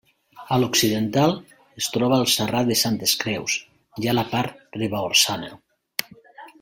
A l'occidental, es troba el Serrat de Santes Creus, ja a la part ribagorçana.